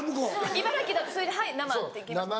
茨城だとそれで「はい生」って来ますよね。